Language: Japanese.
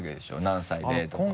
何歳でとか。